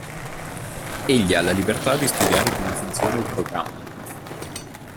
Egli ha la libertà di studiare come funziona il programma.